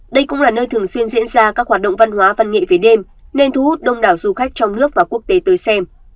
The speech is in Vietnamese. đây cũng là nơi thường xuyên diễn ra các hoạt động văn hóa văn nghệ về đêm nên thu hút đông đảo du khách trong nước và quốc tế tới xem